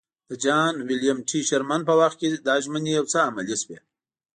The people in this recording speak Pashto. د جال ویلیم ټي شرمن په وخت کې دا ژمنې یو څه عملي شوې.